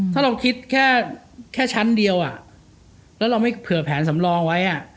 ถ้าเราคิดแค่ชั้นเดียวแล้วเราไม่เผื่อแผนสำรองไว้